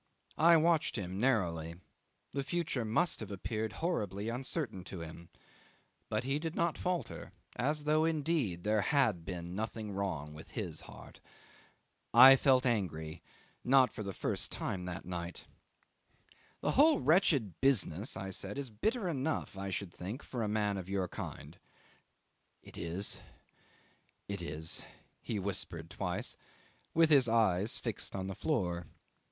I watched him narrowly: the future must have appeared horribly uncertain to him; but he did not falter, as though indeed there had been nothing wrong with his heart. I felt angry not for the first time that night. "The whole wretched business," I said, "is bitter enough, I should think, for a man of your kind ..." "It is, it is," he whispered twice, with his eyes fixed on the floor.